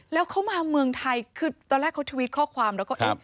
แล้วเขามาเมืองไทยคือตอนแรกเขาทวิตข้อความแล้วก็เอ๊ะ